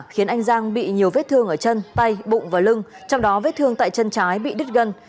khiến anh giang bị nhiều vết thương ở chân tay bụng và lưng trong đó vết thương tại chân trái bị đứt gân